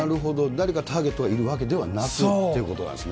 誰かターゲットがいるというわけではなくということですね。